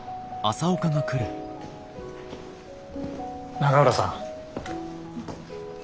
永浦さん。